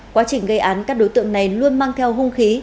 quá trình gây án các đối tượng này luôn mang theo hung khí